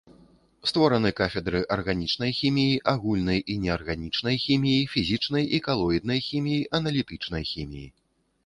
Створаны кафедры арганічнай хіміі, агульнай і неарганічнай хіміі, фізічнай і калоіднай хіміі, аналітычнай хіміі.